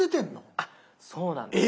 あっそうなんです。